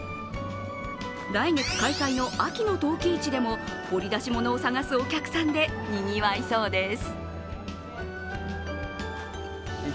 来月開催の秋の陶器市でも掘り出し物を探すお客さんでにぎわいそうです。